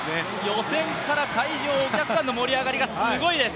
予選から会場、お客さんの盛り上がりがすごいです。